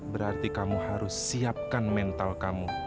berarti kamu harus siapkan mental kamu